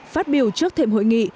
phát biểu trước thềm hội nghị